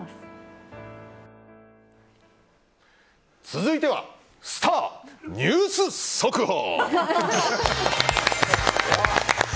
続いてはスター☆ニュース速報！